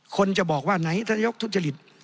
คนจะบอกว่าไหนทะเย็กทุฏฤทธิ์